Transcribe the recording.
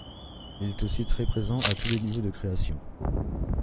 Il est aussi très présent à tous les niveaux de création.